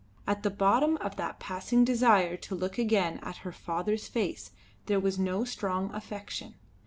At the bottom of that passing desire to look again at her father's face there was no strong affection.